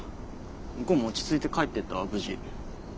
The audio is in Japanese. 向こうも落ち着いて帰ってったわ無事。